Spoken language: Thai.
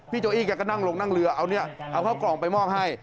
พี่โจอิกาก็นั่งลงนั่งเรือเอาเข้ากล่องไปมองให้